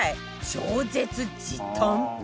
超絶時短